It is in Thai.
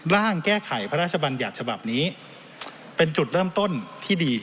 ร่างแก้ไขพระราชบัญญัติฉบับนี้เป็นจุดเริ่มต้นที่ดี